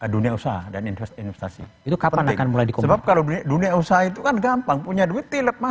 dunia usaha dan investasi itu kapan akan mulai dikomunikasi dunia usaha itu kan gampang punya duit masuk ke jadi bunga bank